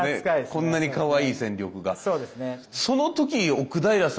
こんなにかわいい戦力が。